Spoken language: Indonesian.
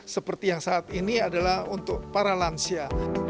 seperti yang saat ini adalah untuk para lansia